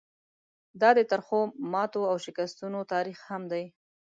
دا د ترخو ماتو او شکستونو تاریخ هم دی.